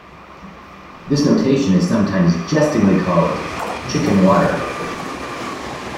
This notation is sometimes jestingly called "chicken wire notation".